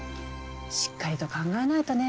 しっかりと考えないとね。